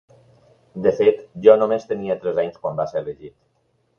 De fet, jo només tenia tres anys quan va ser elegit.